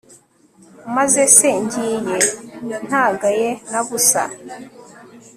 maze se ngiye ntagaye na busa